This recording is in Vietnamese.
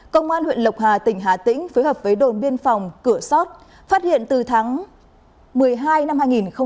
công an huyện lộc hà tỉnh hà tĩnh phối hợp với đồn biên phòng cửa sót phát hiện từ tháng một mươi hai năm hai nghìn một mươi ba